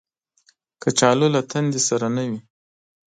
کچالو له تندې سره نه وي